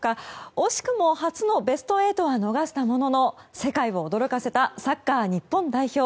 惜しくも初のベスト８は逃したものの世界を驚かせたサッカー日本代表。